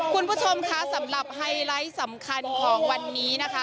คุณผู้ชมคะสำหรับไฮไลท์สำคัญของวันนี้นะคะ